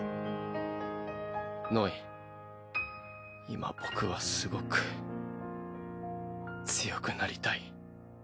今僕はすごく強くなりたい。